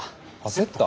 焦った？